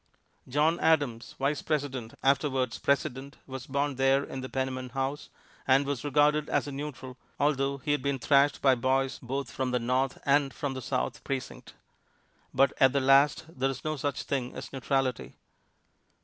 John Adams, Vice President, afterwards President, was born there in the Penniman house, and was regarded as a neutral, although he had been thrashed by boys both from the North and from the South Precinct. But at the last, there is no such thing as neutrality.